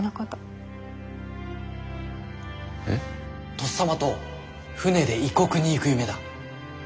とっさまと船で異国に行く夢だ。